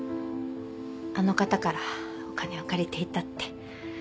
あの方からお金を借りていたって。